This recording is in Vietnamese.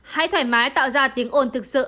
hãy thoải mái tạo ra tiếng ồn thực sự